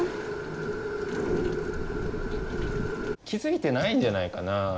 気づいてないんじゃないかな？